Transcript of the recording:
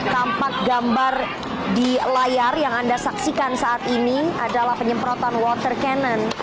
tampak gambar di layar yang anda saksikan saat ini adalah penyemprotan water cannon